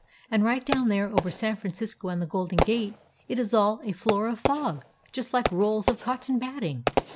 And right down there over San Francisco and the Golden Gate it is all a floor of fog, just like rolls* of cotton batting.